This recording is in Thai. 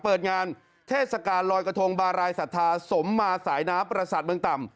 เปิดงานเทศกาลลอยกระทงบารายศรัทธาสมมาสายน้ำประสาทเมืองต่ำ